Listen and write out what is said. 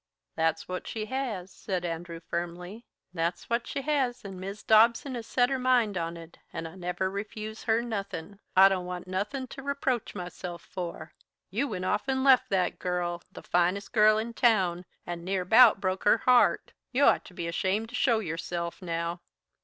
"That's what she has," said Andrew firmly. "That's what she has, and Mis' Dobson has set her mind on it and I never refuse her nothin'. I don't want nothin' to reproach myself for. You went off and left that girl the finest girl in town and near about broke her heart. You ought to be ashamed to show yourself now."